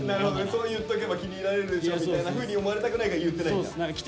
そう言っとけば気に入られるでしょみたいなふうに思われたくないから言ってないんだ。